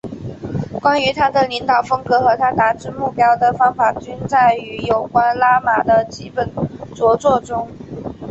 关于他的领导风格和他达至目标的方法均载于有关拉玛的几本着作中。